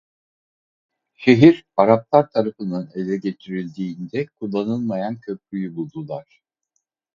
Şehir Araplar tarafından ele geçirildiğinde kullanılmayan köprüyü buldular.